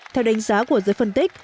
theo đánh giá của giới phân tích